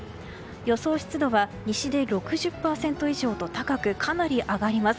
予想湿度は西で６０％以上と高くかなり上がります。